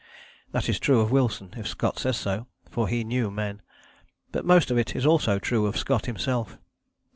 That is true of Wilson, if Scott says so, for he knew men; but most of it is also true of Scott himself.